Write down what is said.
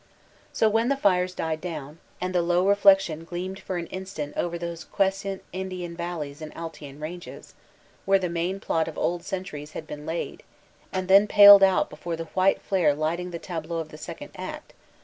So when the fires died down, and the low r eflec ti o n gleamed for an instant over those quiescent Indian valleys and Altaian ranges, where the main plot of old centuri e s had been laid, and then paled out before the white flare lighting the tableau of the second act.